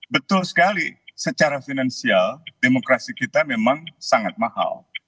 betul sekali secara finansial demokrasi kita memang sangat mahal